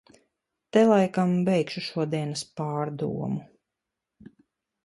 Te laikam beigšu šodienas pārdomu...